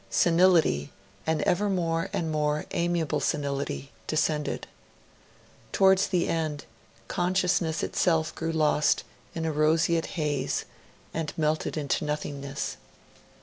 Senility an ever more and more amiable senility descended. Towards the end, consciousness itself grew lost in a roseate haze, and melted into nothingness.